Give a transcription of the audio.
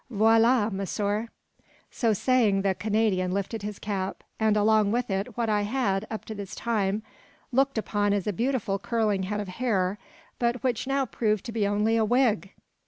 Voila monsieur!" So saying, the Canadian lifted his cap, and along with it what I had, up to this time, looked upon as a beautiful curling head of hair, but which now proved to be only a wig!